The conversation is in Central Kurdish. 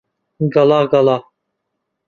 گەڵا گەڵا